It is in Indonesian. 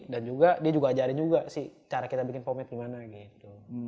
dan juga dia juga ajarin juga sih cara kita bikin pomed gimana gitu